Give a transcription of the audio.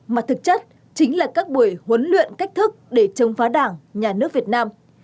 mà thực chất chính là các buổi huấn luyện cách thức để chống phá đảng nhà nước việt nam